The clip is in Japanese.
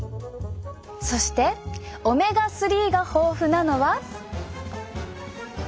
そしてオメガ３が豊富なのは。